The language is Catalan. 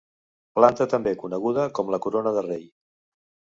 Planta també coneguda com la corona de rei.